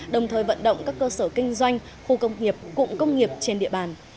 đồng thời vận động các cơ sở kinh doanh khu công nghiệp cụm công nghiệp trên địa bàn